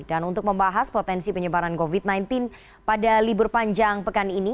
untuk membahas potensi penyebaran covid sembilan belas pada libur panjang pekan ini